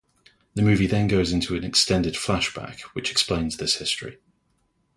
The movie then goes into an extended flashback which explains this history.